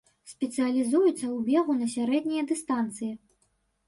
Спецыялізуецца ў бегу на сярэднія дыстанцыі.